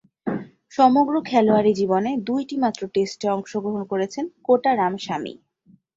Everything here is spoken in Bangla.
সমগ্র খেলোয়াড়ী জীবনে দুইটিমাত্র টেস্টে অংশগ্রহণ করেছেন কোটা রামস্বামী।